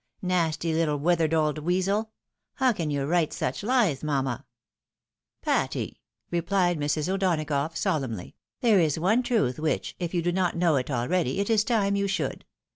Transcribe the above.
Nasty little withered old weasel! — How can you vraite such Ues, mamma? "" Patty !" replied Mrs. O'Donagough solemnly, " there is one truth which, if you do not know it already, it is time you should.